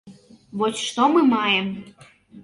Вось што мы маем?